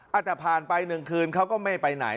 อาจจะผ่านไป๑คืนเขาก็ไม่ไปไหน